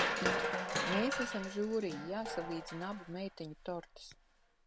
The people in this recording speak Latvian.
Mēs esam žūrija, jāsalīdzina abu meiteņu tortes.